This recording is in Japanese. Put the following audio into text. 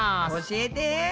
教えて。